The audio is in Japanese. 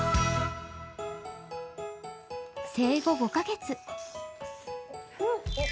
生後５カ月。